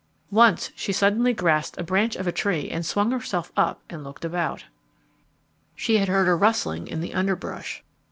Once she suddenly grasped a branch of a tree and swung herself up and looked about. She had heard a rustling in the underbrush.